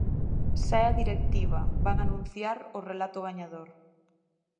Sae a directiva, van anunciar o relato gañador.